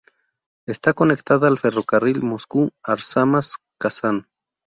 Está conectada al ferrocarril Moscú-Arzamás-Kazán.